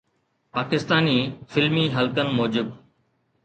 پاڪستاني فلمي حلقن موجب